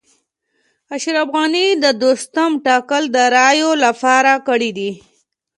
اشرف غني د دوستم ټاکل د رایو لپاره کړي دي